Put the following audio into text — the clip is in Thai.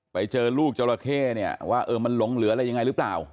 ไปเจอลูกตัวหรือจราเข้ว่ามันหลงเหลืออะไรยังไงรึเปล่า